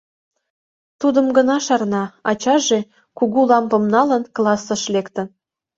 Тудым гына шарна: ачаже, кугу лампым налын, классыш лектын.